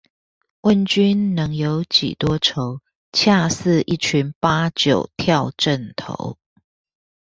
問君能有幾多愁，恰似一群八九跳陣頭